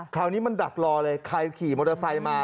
คราวนี้มันดักรอเลยใครขี่มอเตอร์ไซค์มา